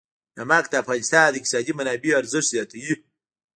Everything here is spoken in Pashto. نمک د افغانستان د اقتصادي منابعو ارزښت زیاتوي.